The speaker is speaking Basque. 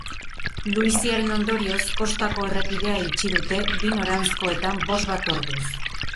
Luiziaren ondorioz, kostako errepidea itxi dute bi noranzkoetan bost bat orduz.